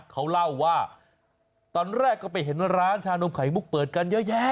เขาเล่าว่าตอนแรกก็ไปเห็นร้านชานมไข่มุกเปิดกันเยอะแยะ